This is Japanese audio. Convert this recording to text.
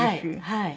はい。